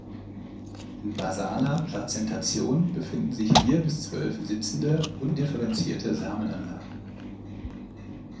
In basaler Plazentation befinden sich vier bis zwölf sitzende, undifferenzierte Samenanlagen.